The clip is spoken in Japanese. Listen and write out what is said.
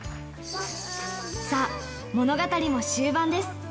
さあ、物語も終盤です。